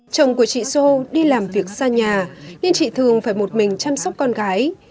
chồng của chị sô đi làm việc xa nhà nên chị thường phải một mình chăm sóc con gái